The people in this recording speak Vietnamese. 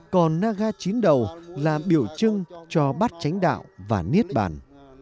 còn naga chín đầu là biểu trưng cho bắt tránh đạo và niết bản